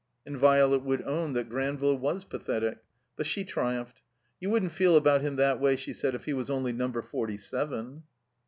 And Violet would own that Granville was pathetic. But she triumphed. ''You wouldn't feel about him that way," she said, "if he was only Number Forty seven."